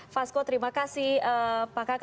fasko terima kasih pak kakak